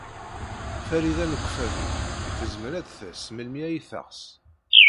Farida n Ukeffadu tezmer ad d-tas melmi ay teɣs.